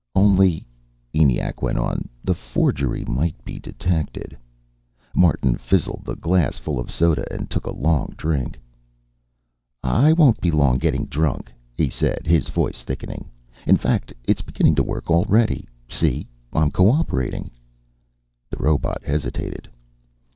" only," ENIAC went on, "the forgery might be detected." Martin fizzled the glass full of soda and took a long drink. "I won't be long getting drunk," he said, his voice thickening. "In fact, it's beginning to work already. See? I'm coöperating." The robot hesitated.